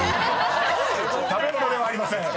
［食べ物ではありません。